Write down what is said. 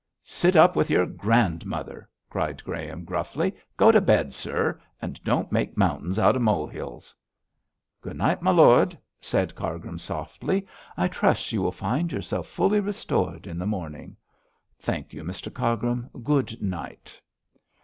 'Sit up with your grandmother!' cried Graham, gruffly. 'Go to bed, sir, and don't make mountains out of mole hills.' 'Good night, my lord,' said Cargrim, softly. 'I trust you will find yourself fully restored in the morning.' 'Thank you, Mr Cargrim; good night!'